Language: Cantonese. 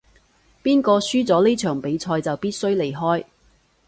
邊個輸咗呢場比賽就必須離開